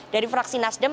dari fraksi nasdem